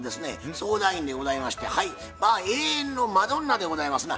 相談員でございまして永遠のマドンナでございますな